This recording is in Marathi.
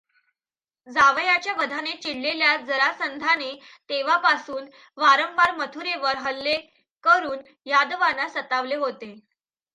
जावयाच्या वधाने चिडलेल्या जरासंधाने तेव्हापासून वारंवार मथुरेवर हल्ले करून यादवांना सतावले होते.